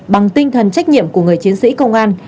bằng tinh thần trách nhiệm của người chiến sĩ công an